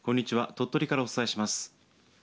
鳥取からお伝えします。